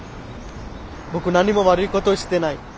僕何も悪いことしてない。